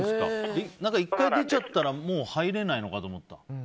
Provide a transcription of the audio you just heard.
１回出ちゃったらもう入れないのかと思った。